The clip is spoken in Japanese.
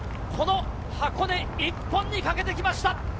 この箱根一本にかけてきました